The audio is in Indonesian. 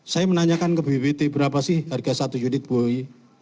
saya menanyakan ke bppt berapa sih harga satu unit buoy